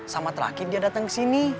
sama terakhir dia datang ke sini